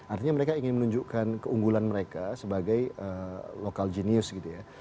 artinya mereka ingin menunjukkan keunggulan mereka sebagai lokal genius gitu ya